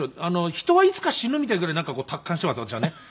人はいつか死ぬみたいなぐらい達観しています私はね。